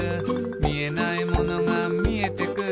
「みえないものがみえてくる」